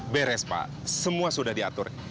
beres pak semua sudah diatur